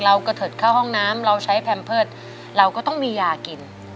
กระเถิดเข้าห้องน้ำเราใช้แพมเพิร์ตเราก็ต้องมียากิน